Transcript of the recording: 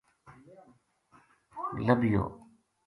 لبھیو